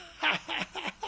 「ハハハハ！